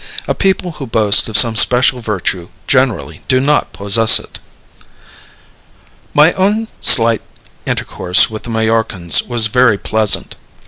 A people who boast of some special virtue generally do not possess it. My own slight intercourse with the Majorcans was very pleasant.